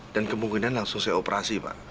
dan kemungkinan langsung saya operasi pak